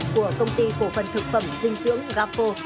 của công ty cổ phần thực phẩm dinh dưỡng gapo